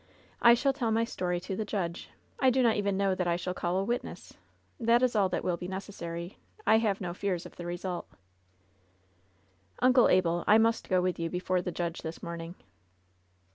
I shall tell my story to the judge. I do not even know that I shall call a witness. That is all that will be necessary. I have no fears of the result." "Uncle Abel, I must go with you before the judge this morning."